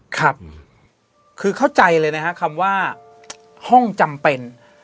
ครับคือเข้าใจเลยนะฮะคำว่าห้องจำเป็น